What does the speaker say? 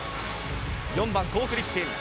４番コー・フリッピン。